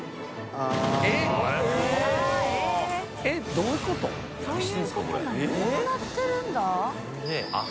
どうなってるんだ？